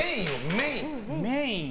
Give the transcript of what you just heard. メイン。